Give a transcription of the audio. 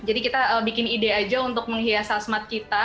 jadi kita bikin ide aja untuk menghias khasmat kita